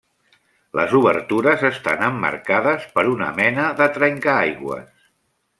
Les obertures estan emmarcades per una mena de trencaaigües.